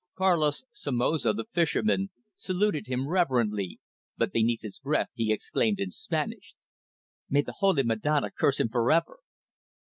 Carlos Somoza, the fisherman, saluted him reverently, but beneath his breath he exclaimed in Spanish: "May the Holy Madonna curse him for ever!"